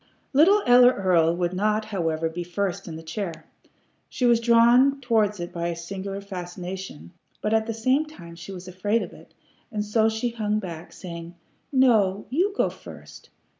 Little Ella Earl would not, however, be first in the chair. She was drawn towards it by a singular fascination, but at the same time she was afraid of it, and so she hung back, saying: "No! You go first!